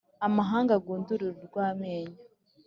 amahanga aguhindure urw’amenyo.